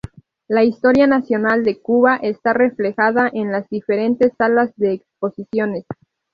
La historia nacional de Cuba, está reflejada en las diferentes salas de exposiciones.